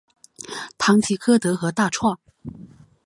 唐吉柯德和大创